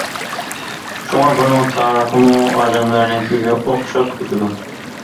شۇڭا ئۇنىڭ تارىخىمۇ ئادەملەرنىڭكىگە ئوخشاپ كېتىدۇ!